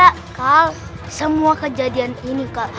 heikal semua kejadian ini heikal